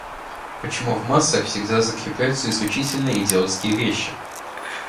Почему в массах всегда закрепляются исключительно идиотские вещи?